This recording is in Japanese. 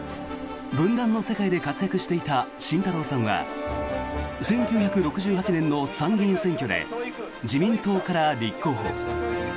文壇の世界で活躍していた慎太郎さんは１９６８年の参議院選挙で自民党から立候補。